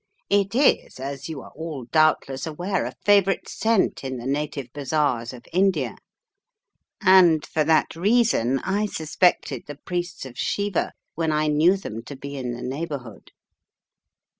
It is, as you are all doubtless aware, a favourite scent in the native bazaars of India, and for that reason I suspected the priests of Shiva when I knew them to be in the neigh 298 The Riddle of the Purple Emperor bourhood.